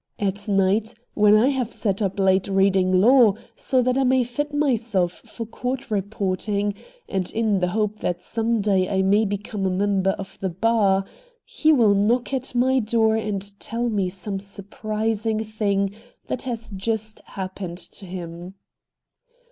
At night, when I have sat up late reading law, so that I may fit myself for court reporting, and in the hope that some day I may become a member of the bar, he will knock at my door and tell me some surprising thing that has just happened to him.